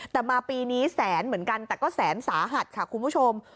แต่มาปีนี้แสนเหมือนกันแต่ก็แสนสาหัสค่ะคุณผู้ชม